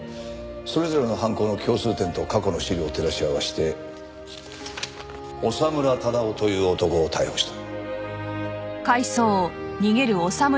それぞれの犯行の共通点と過去の資料を照らし合わせて長村忠雄という男を逮捕した。